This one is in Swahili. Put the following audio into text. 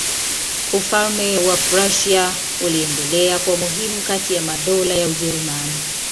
Ufalme wa Prussia uliendelea kuwa muhimu kati ya madola ya Ujerumani.